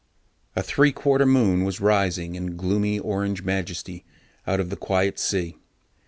A three quarter moon was rising in gloomy orange majesty out of the quiet sea.